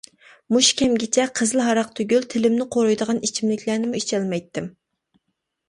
مۇشۇ كەمگىچە قىزىل ھاراق تۈگۈل تىلىمنى قۇرۇيدىغان ئىچىملىكلەرنىمۇ ئىچەلمەيتتىم.